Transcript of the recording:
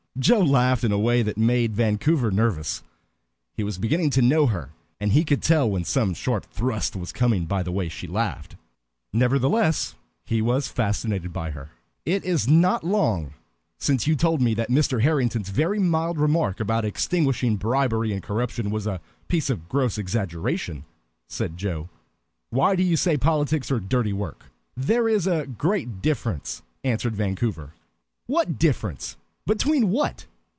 Joe laughed in a way that made Vancouver nervous. He was beginning to know her, and he could tell when some sharp thrust was coming by the way she laughed. Nevertheless, he was fascinated by her. "It is not long since you told me that Mr. Harrington's very mild remark about extinguishing bribery and corruption was a piece of gross exaggeration," said Joe. "Why do you say politics are dirty work?" "There is a great difference," answered Vancouver. "What difference? Between what?"